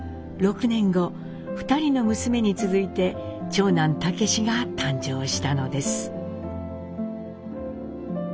６年後２人の娘に続いて長男武司が誕生したのです。